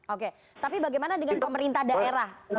oke tapi bagaimana dengan pemerintah daerah